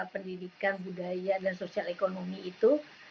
pendidikan budaya dan sosial ekonomi itu